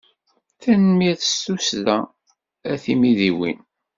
Tanemmirt s tussda a timidiwin!